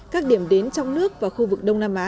các điểm đến trong nước và khu vực đông nam á